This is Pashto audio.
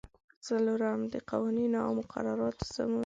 څلورم: د قوانینو او مقرراتو سمون.